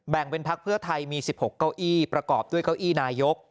เป็นพักเพื่อไทยมี๑๖เก้าอี้ประกอบด้วยเก้าอี้นายก